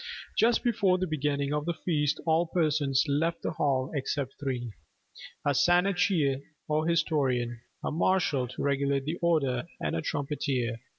Just before the beginning of the feast all persons left the hall except three: A Shanachie or historian: a marshal to regulate the order: and a trumpeter.